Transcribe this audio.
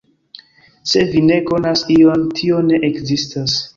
Se vi ne konas ion, tio ne ekzistas.